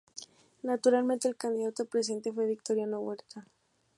Naturalmente, el candidato a presidente fue Victoriano Huerta.